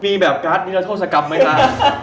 มีแบบการที่จะโทษกรรมไหมครับ